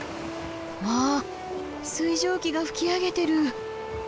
わあ水蒸気が噴き上げてる。